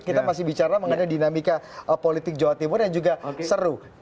kita masih bicara mengenai dinamika politik jawa timur yang juga seru